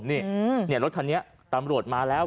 นี่รถคันนี้ตำรวจมาแล้ว